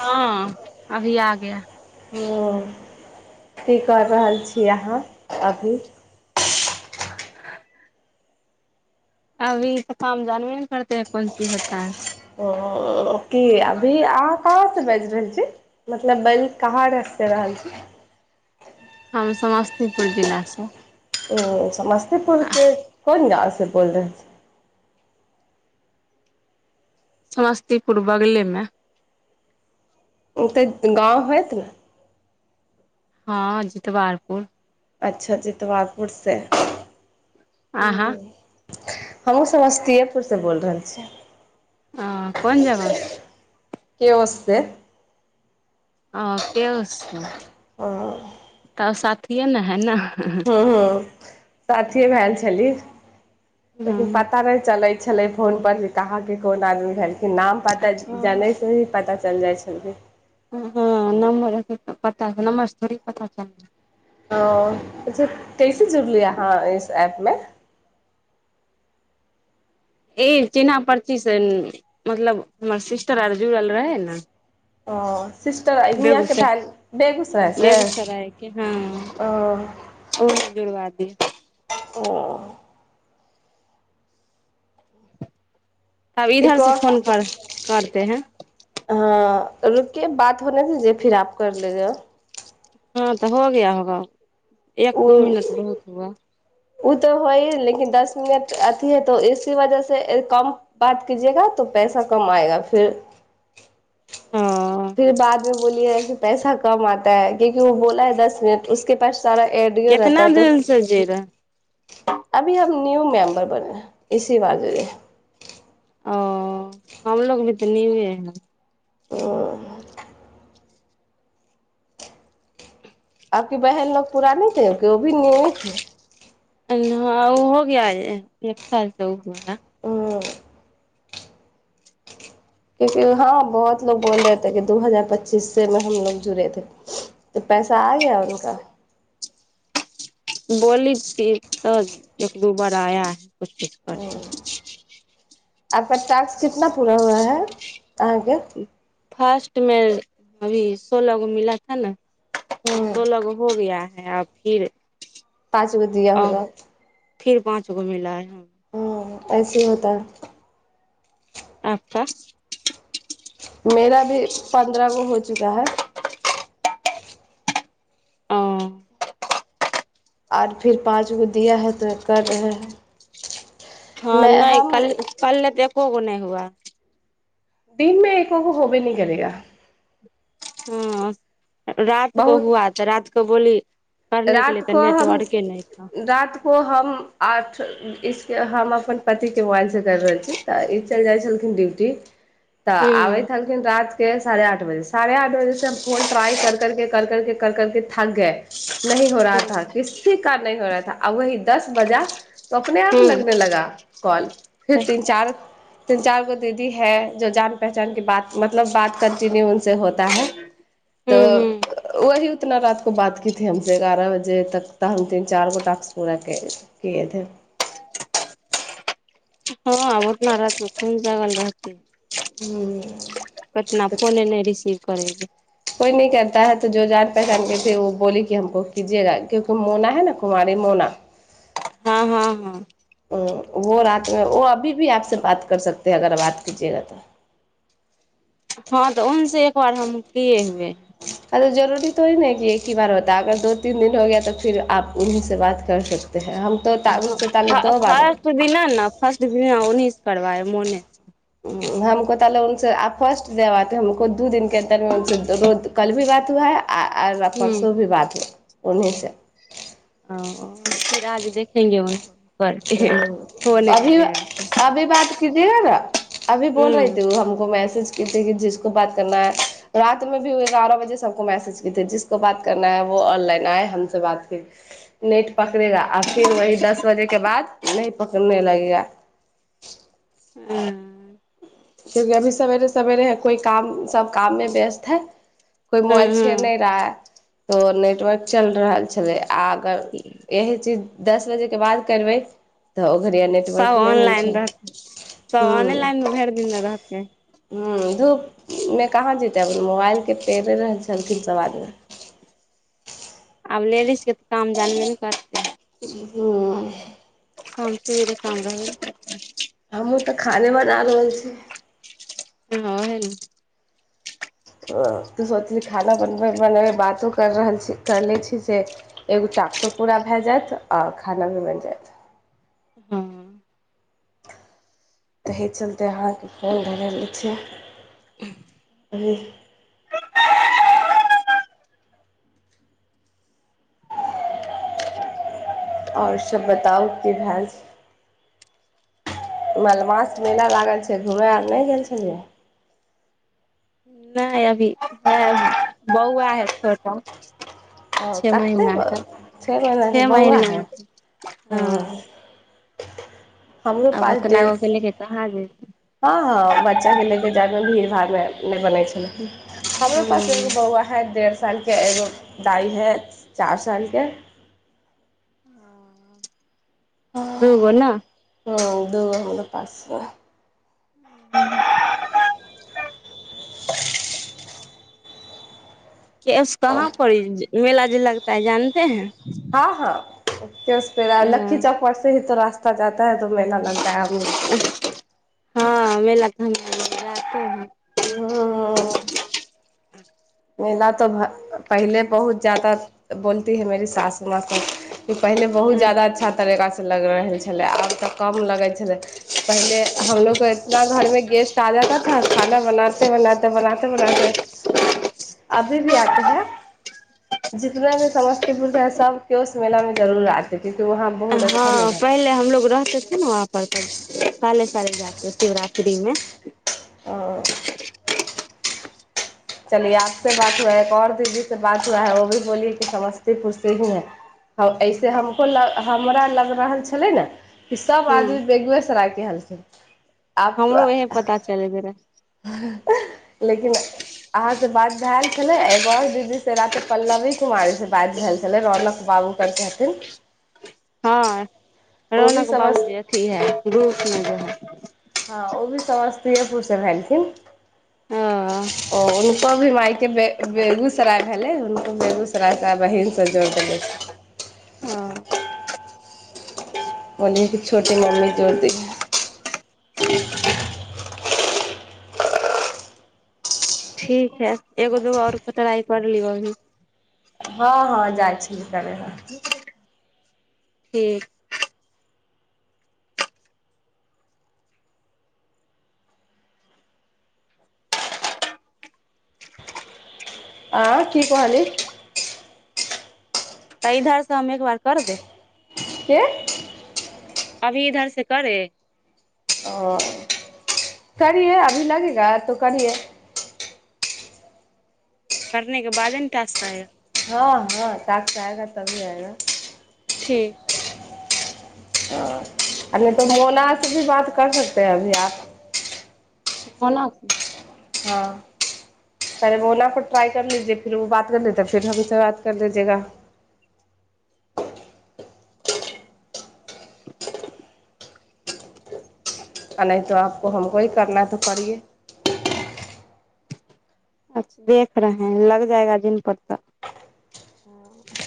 हँ अभी आ गया ह की कर रहल छी अहाँ अभी अभी त काम जानबे ने पड़ते है कोन चीज होता है आ क अभी आकाश बाजि रहल छी मतलब बैल कहाँ र रहल छी हम समस्तीपुर जिला से ह समस्तीपुरके को त बोल रहे छी समस्तीपुर बगलेमे ओ तऽ गाँव होत ने हँ जितवारपुर अच्छा जितवारपुरसँ आ ह हमू समस्तएपुर से बोल रहल छीियै ह कोन जगह केयोसे ओ केयोस हँ तब सा छियए ने है न हँ हँ साथिये भए छली देखेकिन हूँ पातारा चलै छै छलय फोन पर जे कहाह के कोन आदमी भेल नाम पता हूँ जानै से ही पता चलि जाइ छलियै हुँ नम्बर पता नम्बर थोड़ पता चल ओ अ कैसे जुड़लीै अहाँ इस एऐप मे ई चिन्हना पर्ची से मतलब हमर सिस्टर आर जुड़ल रहै ने ओ सिस्टर यियाँके बेगूसराय भ बेगूसरायसँ बेगूसराय के हाँ ओ जी हुँ म [inaudible] तब एक इधरसँ और फोन कर करते हैं रुकि बात होना च फिर आप कर ले जा हँ तऽ हो गया हगा एक ओ दो मिनट बहुत हुआ ओ तऽ हो ह लेकिन दस मिनट अथी है त इसी वजह से कम बात कजेगा त पैसा कम आएगा फिर ओ बोलिय पैसा कम आता ह क्यूंि वो बोलाै दस मिनट उसके पास सारा अडिया कितना रहता तो दिन से जे रहे अभी हम न्यू मे मैबर बन इसी वाज ओ हमलोग भी तऽ न्यू है से आपकी बहन लोग पुराने थी की ओ भी न्यू थे हँ ओ हो गय एक सालसँ ओ हु ह हँ क्यूंकि हँ बहुत लोग बोल रहेथे कि दू हजार पच्चीस से मे हमलोग जुड़े े तऽ पैसा आ गया उनका बोली छिय तऽ एक दू बार आया है किछ चीज करब आपका टास्क कितना पूरा हुआ है अहाँके फर्स्ट मे अभी सोलह गो मिल थ ने ह सोलह गो हो गया आ फिर पाँच गो दिया और होगा फिर पाँच गो मिला है ह ऐसे होता आपका मेरा भी पन्द्रह गो हो चुका है ओ आर फेर पाँच गो दिया है तऽ कर रहै हइ हँ नहि काल काल ने दे एकोगो नहि हुआ दिनमे एकोगो होबे न करेगा हँ रात को बहुत हुआ तऽ रात कबली रात को हम रात को हम आठ इस हम अपन पतिके मोबाइलसँ करि रहल छी तऽ ई चलि जाइत छलखिन ड्यूटी तऽ हूँ आबैत छलखिन रात के साढ़े आठ बजे साढ़े आठ बजेसँ फोन ट्राय कर करके करके कर करके थक ह न हो रहाथा हूँ किसी का नहिही हो रहा थ आ वही दस बजा त अपने आप लगने लगा कॉल फिर तीन चार तीन चारगो दीदी है जो जान पहचान की बात मतलब बात कंटिन्यू उस होता है हूँ तऽ वहि उतना रह बात की हमस एगारह बजे तक तऽ हम तीन चार गो टास्क पूरा किएथे हँ उतना रात कोन जगल रहते कतना फोन नहि रिसीव करेग कोइ न करताै तऽ जो जान पहचान केथे ओो बोल कि हमको कीजेगा क्यकि मोना है न कुमारी मोना हँ हँ वो रातमे ओ अभी भी आपसँ बात कर सकत है अगर बात कजेगा तऽ हँ तऽ उस एक बार हम पए हुए अ जरूरी त ही ने कि एक ही बार होता अगर द तीन दिन हो गय तऽ फर आप उन्हि से बात कर सकते हैं हम तो उनसे ताले दो बार फट द फट ओनीसे करबाय मने हमको ते उने आब फर्स्ट देबा तऽ हमको दू दिनक अन्रमे उने रो कल भी बात हुआ है आ आ हूँ परसू भी बात उन्नै सए ओ फर आज देखेंगे करके हुँ फोने अभी लगेगा अभी बात कजियगा ने अभी बोल रही हूँ ती हमको मै मैसज की कि जिसको बात करना है रात मे भीए एगारह बजे सबको मैसेज कीे जिसको बात करना है वो ऑनलाइन आए हमस बात कर नेट पकड़ेगा आ फिर वह दस बजे के बाद नहि पकड़ने लगेया हँ क्यूकि अभी सवेरे सवेरे कोइ काम सभ काममे व्यस्त है कोइ हँ मोइल छैड़ हँ नहि रहा है तऽ नेटवर्क चलि रहल छलै आ अगर यह चीज दस बजेके बाद करबै तऽ घड़िया नेटवर्क सब नहि मिल ओंनलाइन छल रह सब ओंनलाइन भेर विना रहकें हुँ धूप मे कहाँ जते मोबाइल के पेरे रह चलखिन सब आगेल आब लेडीज के तऽ काम जानबे ने करतै हुम् काम चोर काम रहबे हमहूँ तऽ खाने बना रहल छी हाँ हन तऽ सोचली खाना बनबै बनबै बातो करि रहल छी करि लै छी जे एगो टॉप्सो पूरा भए जायत आ खाना भी बनि जायत हँ तहि चलते अहाँके फोन भर लै छ अभी आओर सभ बताउ की भेलए मलमास मेला लागल छै घूमय आर नहि गेल छलियै नहि अभी बौआ है छोटा ओ छे कतेक महीना के छओ महीनाके छे बौआ महीना हइ के, हँ हँ [inaudible] आब पास ओतना ड्रेस ओतनी तऽ कहाँ जयबे हँ हँ बच्चा के लेके जायमे भीड़ भाड़ मे बनै छला हमरो पास एक हूँ बौआ है डेढ़ साल सालके एगो दाइ हइ चारि सालके ह दू गो हँ न दूगो हमरो पास में [inaudible] केस कहाँ पड़ मेला जे लगता है जानते हैं हँ हँ त प लखी हैं चौक पर से ही तो रास्ता त जाते है तो मेला लगता है आमे हँ [unintelligible] हम्म [inaudible] मेला तो भ पहिले बहुत जादा बोलती है मेेरी सास माँ को कि पहिले बहुत हँ जादा अच्छा तरीका सँ लग रहल छलै आब तऽ कम लगै छलै पहिले हमलोगके इतना घरमे गेस्ट आ जाता था खाना बनाते बनाते बनाते बनाते अभी भी आते है जितना भी समस्तीपुर रहै सबकेस मेलामे जरूर आते क्योंकि वहाँ बहुत अच्छा हँ मेला पहिले हमलोग रहतै थे ना वहाँ पर साले साले जाते है शिवरात्रि मे आओर चलियै आपसे बात हुआ है एक ओर दीदी से बात हुआ है व भी बोलियए कि समस्तीपुर से ही है ऐसे हमको हमरा लग रहल छलै ने कि सब आदमी बेगुएसरायके हलखिन आब हमरो इहे पता चल गेल रहै लेकिन अहाँसँ बात भेल छलै एगो आर दीदी से रा ते पल्लवी कुमारीसँ बात भेल छलै रौनक बाबूकर कहथिन हँ रौनक बाबू समस जे अथी है रूप मे जे है [inaudible] समस्तीयएपुर से भेलखिन ओ ओ उनको भी मायके बेगूसराय भेलय हुनको बेगूसराय का बहिन सब जोड़ देने छै बोल कि छोटी मम्मी जोड़ दै ठीक है एगो दूगो आओर कतरााइ कर लिौ अभी हँ हँ जाइ छी त ठीक आँ की कहहली तऽ इधर से हम एक बार कर दे के अभी इधर से करे ओ करिये अभी लगेगा तो करिये पढने के बादे ने टास पायब हँ हँ ताक पायेगा तभीये आयेगा ठीक ह आ नहि तो मोला से भी बात कर सकते हैं अभी आ बल हँ अरे वो ने फ ट्राई कर लीजे फिर ओ बात कर ले त फिर हमसँ बात कर लिजेगा आ नहि तो आपको हमको ही करना है तो करिये अच्छा देख रहे हैं लग जायगा दिन पर तक